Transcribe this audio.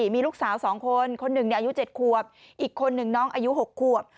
มีลูกสาว๒คนคนหนึ่งอายุ๗ขวบอีกคนหนึ่งน้องอายุ๖ขวบ